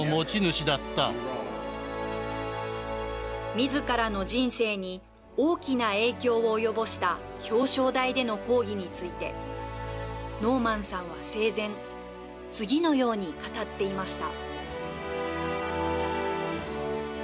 みずからの人生に大きな影響を及ぼした表彰台での抗議についてノーマンさんは生前次のように語っていました。